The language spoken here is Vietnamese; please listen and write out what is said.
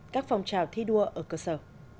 các phong trào thi đua ở cơ sở